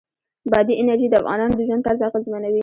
بادي انرژي د افغانانو د ژوند طرز اغېزمنوي.